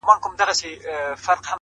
دلته اوسم،